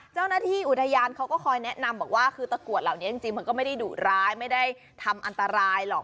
เจ้าหน้าที่อุทยานเขาก็คอยแนะนำบอกว่าคือตะกรวดเหล่านี้จริงมันก็ไม่ได้ดุร้ายไม่ได้ทำอันตรายหรอก